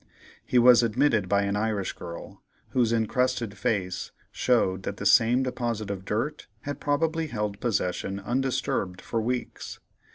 He was admitted by an Irish girl, whose incrusted face showed that the same deposit of dirt had probably held possession undisturbed for weeks.